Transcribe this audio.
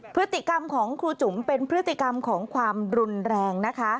พฤติกรรมของครูจุ๋มเป็นพฤติกรรมของความรุนแรงนะคะ